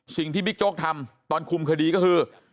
บิ๊กโจ๊กทำตอนคุมคดีก็คือ